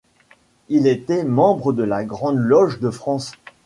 Il était membre de la Grande Loge de France.